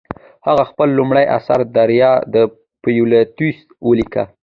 هغه خپل لومړی اثر دریا د پیلاتوس ولیکه.